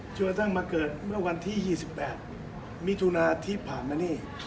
จนกระทั่งมาเกิดเมื่อวันที่๒๘มิถุนาที่ผ่านมานี่